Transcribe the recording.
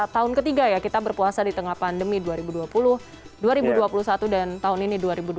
tahun ketiga ya kita berpuasa di tengah pandemi dua ribu dua puluh dua ribu dua puluh satu dan tahun ini dua ribu dua puluh